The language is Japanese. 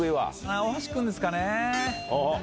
大橋君ですかね。